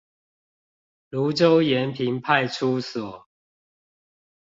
蘆洲延平派出所